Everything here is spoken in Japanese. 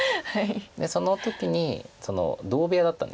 その時に同部屋だったんですよね。